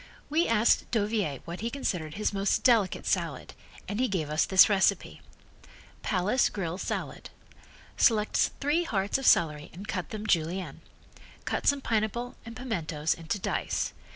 We asked Dauviller what he considered his most delicate salad and he gave us this recipe: Palace Grill Salad Select three hearts of celery and cut them Julienne. Cut some pineapple and pimentoes into dice.